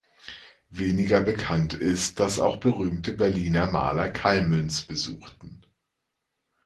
Weniger bekannt ist, dass auch berühmte Berliner Maler Kallmünz besuchten.